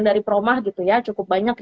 dari promah gitu ya cukup banyak